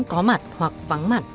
có mặt hoặc vắng mặt